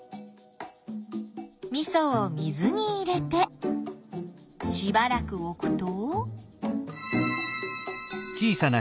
みそを水に入れてしばらく置くと。